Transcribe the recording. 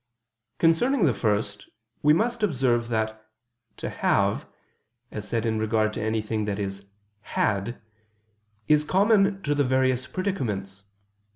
Concerning the first, we must observe that "to have," as said in regard to anything that is "had," is common to the various predicaments.